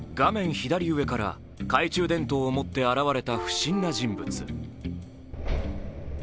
左上から懐中電灯を持って現れた不審な人物。